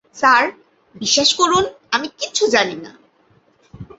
Sir, বিশ্বাস করুন, আমি কিছু জানি না!